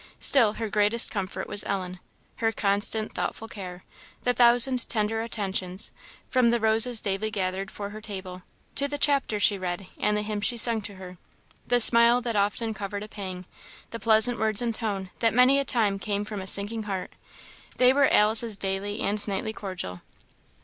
Still her greatest comfort was Ellen; her constant, thoughtful care; the thousand tender attentions, from the roses daily gathered for her table, to the chapters she read and the hymns she sung to her; the smile that often covered a pang; the pleasant words and tone that many a time came from a sinking heart; they were Alice's daily and nightly cordial.